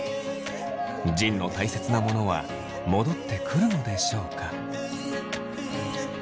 仁のたいせつなものは戻ってくるのでしょうか。